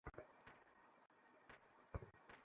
শুধু আমি না, আমার বাবাও পাগল, স্যার।